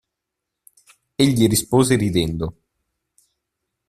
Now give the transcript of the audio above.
Egli rispose ridendo.